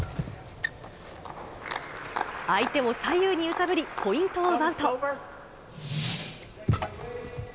相手を左右に揺さぶり、ポイントを奪うと。